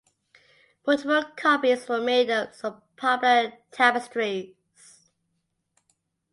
Multiple copies were made of some popular tapestries.